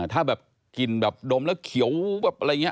ถ้าแบบกลิ่นแบบดมแล้วเขียวแบบอะไรอย่างนี้